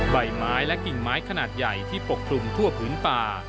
ใบไม้และกิ่งไม้ขนาดใหญ่ที่ปกคลุมทั่วพื้นป่า